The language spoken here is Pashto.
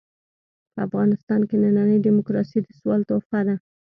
په افغانستان کې ننۍ ډيموکراسي د سوال تحفه ده.